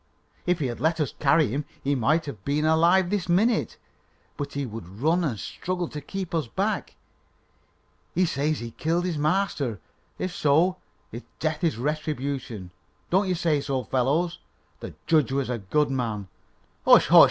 "If he had let us carry him, he might have been alive this minute; but he would run and struggle to keep us back. He says he killed his master. If so, his death is a retribution. Don't you say so, fellows? The judge was a good man " "Hush! hush!